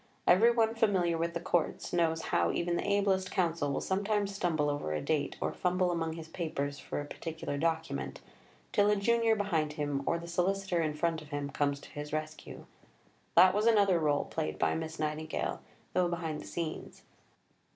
Every one familiar with the courts knows how even the ablest counsel will sometimes stumble over a date or fumble among his papers for a particular document, till a junior behind him or the solicitor in front of him comes to his rescue. That was another rôle played by Miss Nightingale, though behind the scenes.